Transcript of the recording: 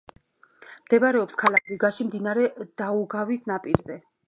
მდებარეობს ქალაქ რიგაში, მდინარე დაუგავის ნაპირზე.